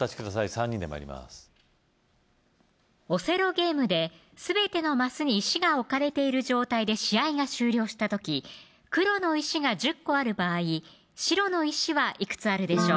３人で参りますオセロゲームですべてのマスに石が置かれている状態で試合が終了した時黒の石が１０個ある場合白の石はいくつあるでしょう